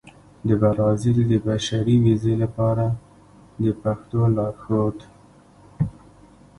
د برازيل د بشري ویزې لپاره د پښتو لارښود